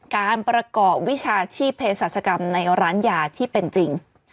การประกอบวิชาชีพเพศศาสกรรมในร้านยาที่เป็นจริง